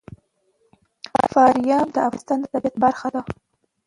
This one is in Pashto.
فاریاب د افغانستان د طبیعت برخه ده.